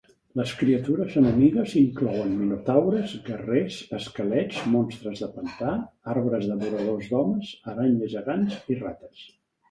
Les criatures enemigues inclouen minotaures, guerrers esquelets, monstres de pantà, arbres devoradors d'homes, aranyes gegants i rates.